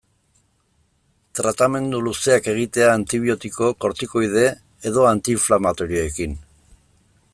Tratamendu luzeak egitea antibiotiko, kortikoide edo anti-inflamatorioekin.